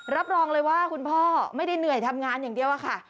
รับรองเลยว่าคุณพ่อไม่ได้เหนื่อยทำงานอย่างเดียวอะค่ะ